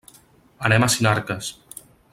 Anem a Sinarques.